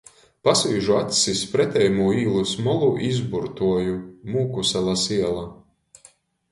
Pasvīžu acs iz preteimū īlys molu i izburtoju "Mūkusalas iela".